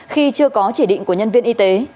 khi chưa có chỉ định của nhân viên y tế